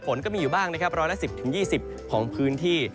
ฝนก็มีอยู่บ้างนะครับร้อยละ๑๐๒๐องศาเซียตของพื้นที่